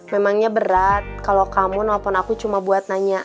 memangnya berat kalau kamu nelfon aku cuma buat nanya